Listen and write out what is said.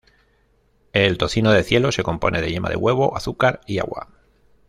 El tocino de cielo se compone de yema de huevo, azúcar y agua.